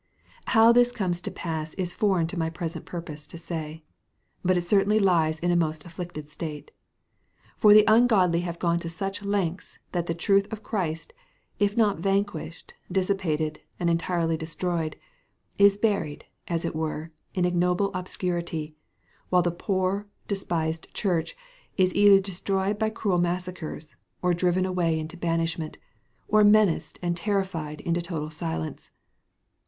How this comes to pass is foreign to my present purpose to say; but it certainly lies in a most afflicted state. For the ungodly have gone to such lengths, that the truth of Christ, if not vanquished, dissipated, and entirely destroyed, is buried, as it were, in ignoble obscurity, while the poor, despised church is either destroyed by cruel massacres, or driven away into banishment, or menaced and terrified into total silence.